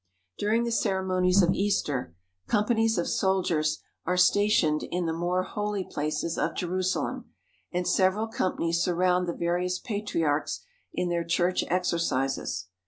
During the ceremonies of Easter, companies of soldiers are stationed in the more holy places of Jerusalem, and several companies surround the various patriarchs in their church exercises.